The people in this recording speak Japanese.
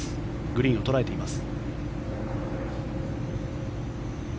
グリーンを捉えています。